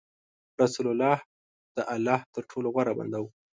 رسول الله د الله تر ټولو غوره بنده و.